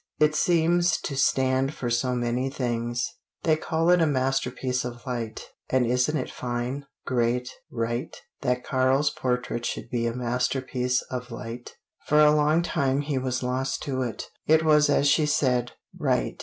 It seems to stand for so many things. They call it a masterpiece of light and isn't it fine great right, that Karl's portrait should be a masterpiece of light?" For a long time he was lost to it. It was as she said right.